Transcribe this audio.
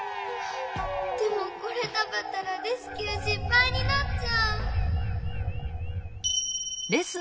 でもこれたべたらレスキューしっぱいになっちゃう！